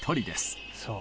そう。